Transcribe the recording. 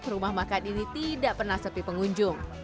rumah makan ini tidak pernah sepi pengunjung